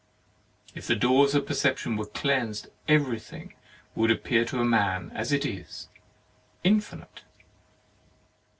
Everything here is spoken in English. If the doors of perception were cleansed everything would appear to man as it is, infinite.